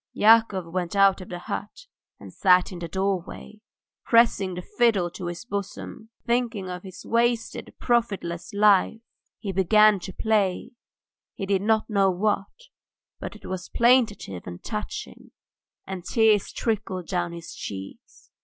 Yakov went out of the hut and sat in the doorway, pressing the fiddle to his bosom. Thinking of his wasted, profitless life, he began to play, he did not know what, but it was plaintive and touching, and tears trickled down his cheeks.